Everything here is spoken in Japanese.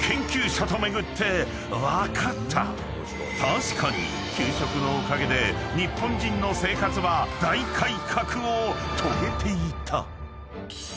［確かに給食のおかげで日本人の生活は大改革を遂げていた］